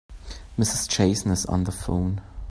Mrs. Jason is on the phone.